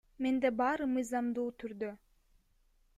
Менде баары мыйзамдуу түрдө.